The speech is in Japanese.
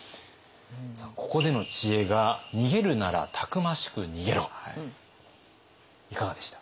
さあここでの知恵がいかがでした？